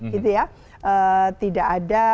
gitu ya tidak ada